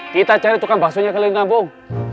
kita cari tukang basunya kali ini ngabung